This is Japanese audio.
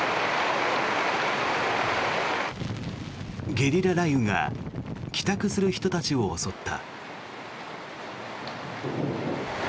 ゲリラ雷雨が帰宅する人たちを襲った。